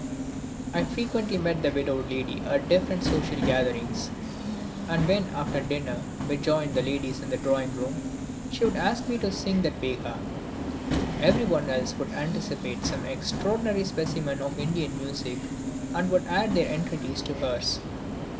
I frequently met the widowed lady at different social gatherings, and when after dinner we joined the ladies in the drawing room, she would ask me to sing that Behaga. Everyone else would anticipate some extraordinary specimen of Indian music and would add their entreaties to hers.